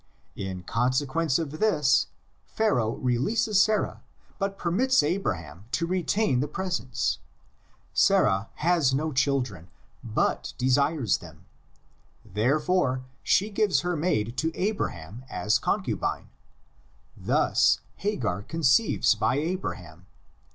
In consequence of this Pharaoh releases Sarah but permits Abraham to retain the presents. — Sarah has no children, but desires them. Therefore she gives her maid to Abraham as con cubine. Thus Hagar conceives by Abraham.